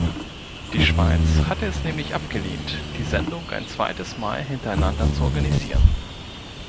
Die Schweiz hatte es nämlich abgelehnt, die Sendung ein zweites Mal hintereinander zu organisieren.